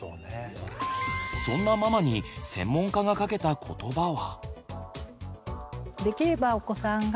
そんなママに専門家がかけた言葉は。